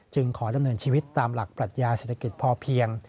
ขอดำเนินชีวิตตามหลักปรัชญาเศรษฐกิจพอเพียง